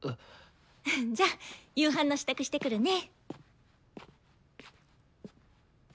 じゃ夕飯の支度してくるね。